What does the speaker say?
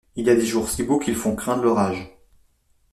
Il y a des jours si beaux qu'ils font craindre l'orage.